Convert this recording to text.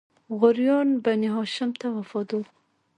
غوریان بنی هاشم ته وفادار وو.